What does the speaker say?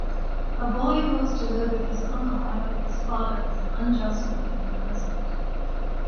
A boy goes to live with his uncle after his father is unjustly imprisoned.